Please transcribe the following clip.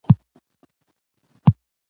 واوره د افغانستان یو ډېر لوی طبعي ثروت دی.